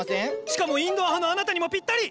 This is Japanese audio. しかもインドア派のあなたにもぴったり！